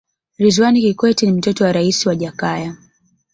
ridhwan kikwete ni mtoto wa raisi wa jakaya